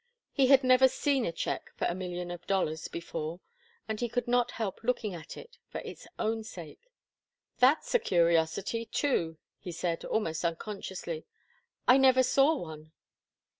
He had never seen a cheque for a million of dollars before, and he could not help looking at it, for its own sake. "That's a curiosity, too," he said, almost unconsciously. "I never saw one."